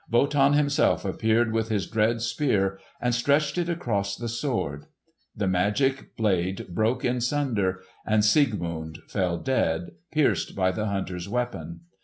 Wotan himself appeared with his dread Spear and stretched it across the sword. The magic blade broke in sunder, and Siegmund fell dead, pierced by the hunter's weapon.